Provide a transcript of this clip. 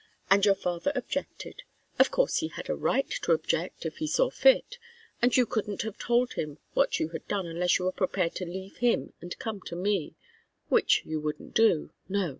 "And your father objected. Of course he had a right to object, if he saw fit. And you couldn't have told him what you had done unless you were prepared to leave him and come to me which you wouldn't do no!